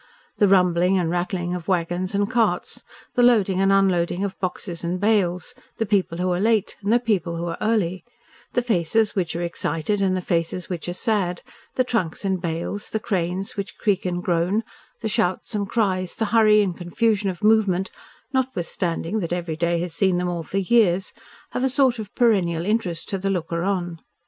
The rumbling and rattling of waggons and carts, the loading and unloading of boxes and bales, the people who are late, and the people who are early, the faces which are excited, and the faces which are sad, the trunks and bales, and cranes which creak and groan, the shouts and cries, the hurry and confusion of movement, notwithstanding that every day has seen them all for years, have a sort of perennial interest to the looker on.